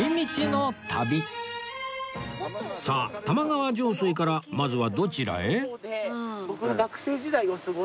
さあ玉川上水からまずはどちらへ？